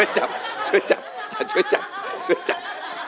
จับช่วยจับช่วยจับช่วยจับ